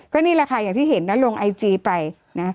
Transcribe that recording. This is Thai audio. ก็นี่แหละค่ะอย่างที่เห็นนะลงไอจีไปนะ